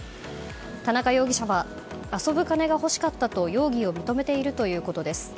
田中容疑者は遊ぶ金が欲しかったと容疑を認めているということです。